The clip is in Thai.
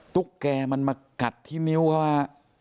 ตุ๊กแก่มันมากัดที่นิ้วเขาฮะ